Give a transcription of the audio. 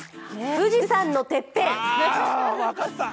富士山のてっぺん！